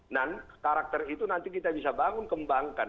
dan karakter itu nanti kita bisa bangun kembangkan